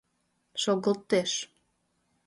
Шогылтеш.